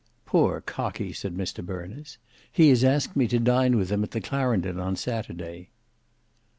"Poor Cockie." said Mr Berners; "he has asked me to dine with him at the Clarendon on Saturday."